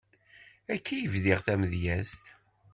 Akka i d-bdiɣ tamedyazt.